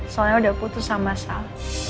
soalnya udah putus sama saus